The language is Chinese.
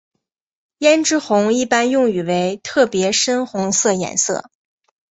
胭脂红是一般用语为一特别深红色颜色。